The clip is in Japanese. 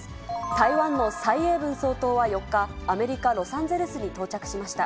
台湾の蔡英文総統は４日、アメリカ・ロサンゼルスに到着しました。